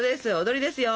踊りですよ。